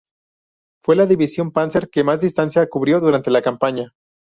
Fue la División Panzer que más distancia cubrió durante la campaña.